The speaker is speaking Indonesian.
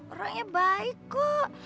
orangnya baik kok